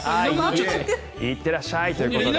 行ってらっしゃい！ということで。